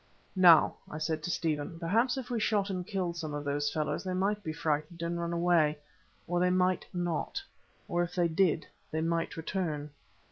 "Now," I said to Stephen, "perhaps if we shot and killed some of those fellows, they might be frightened and run away. Or they might not; or if they did they might return."